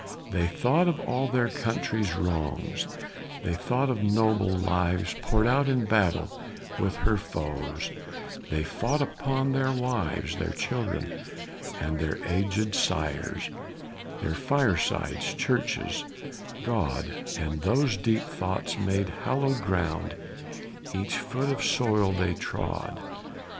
They thought of all their country's wrongs, They thought of noble lives Pour'd out in battle with her foes, They thought upon their wives, Their children, and their aged sires, Their firesides, churches, God And these deep thoughts made hallow'd ground Each foot of soil they trod.